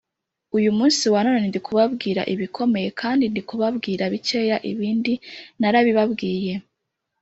uyu munsi wa none ndi kubabwira ibikomeye kandi ndi kubabwira bikeya ibindi narabibabwiye,